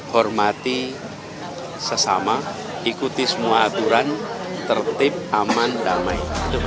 hormati sesama ikuti semua aturan tertib aman damai